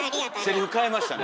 セリフ変えましたね。